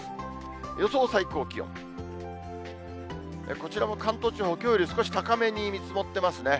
こちらも関東地方、きょうより少し高めに見積もってますね。